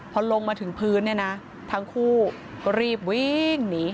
พอลงมาถึงพื้นเนี่ยนะทั้งคู่ก็รีบวิ่งหนี